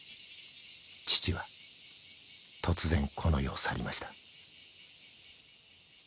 父は突然この世を去りました］